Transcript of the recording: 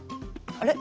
あれ？